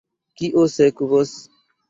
Kio sekvos?